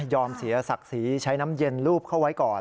เสียศักดิ์ศรีใช้น้ำเย็นลูบเข้าไว้ก่อน